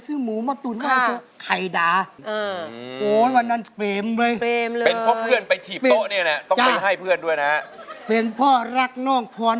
เพราะว่าทำให้เขาเนี่ยวันนั้นมีข้าวกินข้าวครับ